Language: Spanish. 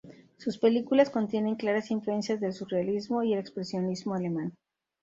Sus películas contienen claras influencias del surrealismo y el expresionismo alemán.